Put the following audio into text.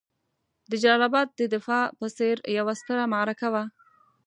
د جلال اباد د دفاع په څېر یوه ستره معرکه وه.